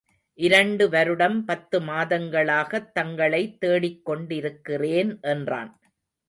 இரண்டு வருடம் பத்து மாதங்களாகத் தங்களை தேடிக் கொண்டிருக்கிறேன் என்றான்.